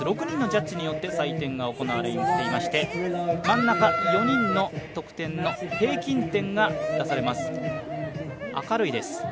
６人のジャッジによって採点が行われていまして真ん中、４人の得点の平均点が出されます。